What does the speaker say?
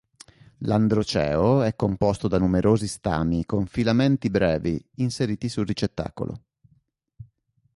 L'androceo è composto da numerosi stami con filamenti brevi, inseriti sul ricettacolo.